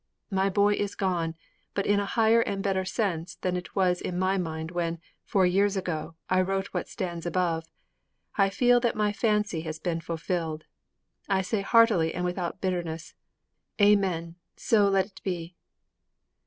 My boy is gone; but in a higher and better sense than was in my mind when, four years ago, I wrote what stands above, I feel that my fancy has been fulfilled. I say heartily and without bitterness Amen, so let it be!'